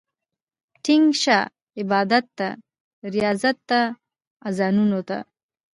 ټينګ شه عبادت ته، رياضت ته، اذانونو ته